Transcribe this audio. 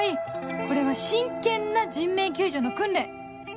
これは真剣な人命救助の訓練